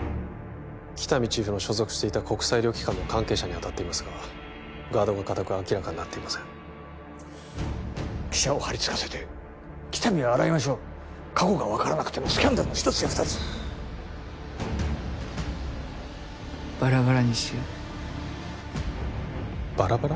喜多見チーフの所属していた国際医療機関の関係者にあたっていますがガードが堅く明らかになっていません記者を張りつかせて喜多見を洗いましょう過去が分からなくてもスキャンダルの一つや二つバラバラにしようバラバラ？